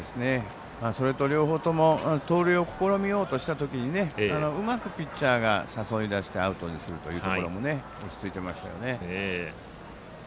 それと、両方とも盗塁を試みようとした時にうまくピッチャーが誘い出してアウトにするというところも落ち着いてましたよね。